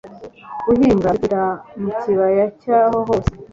Guhiga bikwira mu kibaya cyaho hose